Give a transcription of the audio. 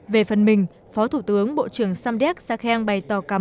về phần mình phó thủ tướng bộ trưởng sam deck sẽ khen bày tỏ cảm ơn